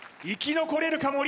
生き残れるか？